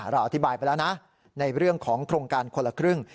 เราอธิบายไปแล้วนะในเรื่องของโครงการคนละครึ่ง